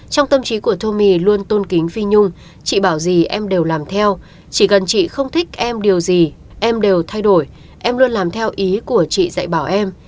trong tâm trí của thu mì luôn tôn kính phi nhung chị bảo gì em đều làm theo chỉ cần chị không thích em điều gì em đều thay đổi em luôn làm theo ý của chị dạy bảo em